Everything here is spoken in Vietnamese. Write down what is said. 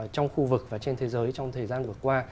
trong khu vực và trên thế giới trong thời gian vừa qua